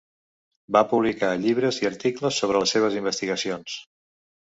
Va publicar llibres i articles sobre les seves investigacions.